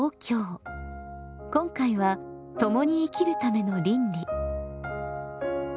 今回は「共に生きるための倫理」。